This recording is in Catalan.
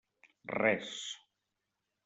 Res.